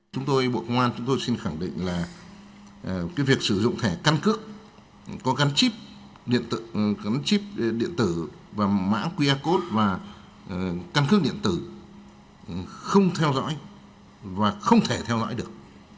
chúng tôi bộ công an chúng tôi xin khẳng định là cái việc sử dụng thẻ căn cước có căn chip điện tử và mã qr code và căn cước điện tử không theo dõi và không thể theo dõi được